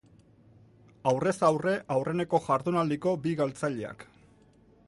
Aurrez aurre aurreneko jardunaldiko bi galtzaileak.